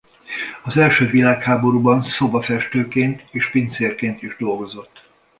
Az első világháborúban szobafestőként és pincérként is dolgozott.